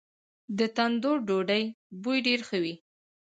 د تندور ډوډۍ بوی ډیر ښه وي.